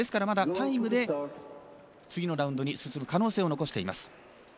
まだタイムで次のラウンドに進む可能性を残しています。